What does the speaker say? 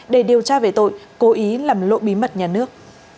để điều tra về tội cố ý làm lộ bí mật nhà nước